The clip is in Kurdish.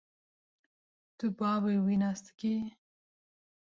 Tu bavê wî nas dikî?